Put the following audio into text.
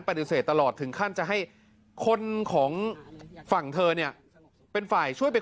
ปฏิเสธตลอดถึงขั้นจะให้คนของฝั่งเธอเนี่ยเป็นฝ่ายช่วยเป็น